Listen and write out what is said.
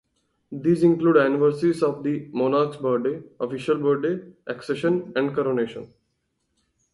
These include anniversaries of the Monarch's birthday, official birthday, accession and coronation.